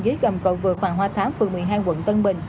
dưới chân cầu vực hoàng hóa thám phường một mươi hai quận tân bình